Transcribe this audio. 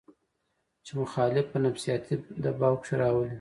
چې مخالف پۀ نفسياتي دباو کښې راولي